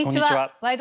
「ワイド！